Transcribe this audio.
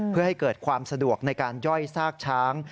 เพื่อให้เกิดความสะดวกในการย่อยซากช้าง